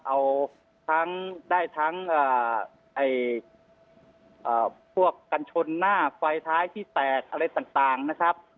เอาทั้งได้ทั้งอ่าไออ่าพวกกัญชนหน้าไฟท้ายที่แตกอะไรต่างต่างนะครับ